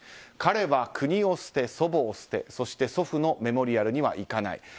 彼は国を捨て、祖母を捨てそして、祖父のメモリアルには行かない。